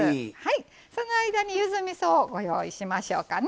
その間に、ゆずみそをご用意しますかね。